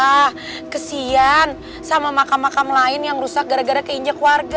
nah kesian sama makam makam lain yang rusak gara gara keinjak warga